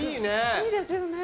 いいですよね。